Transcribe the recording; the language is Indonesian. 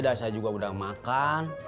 saya juga udah makan